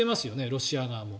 ロシア側も。